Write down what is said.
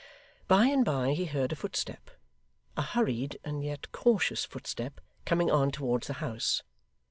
By and by he heard a footstep a hurried, and yet cautious footstep coming on towards the house.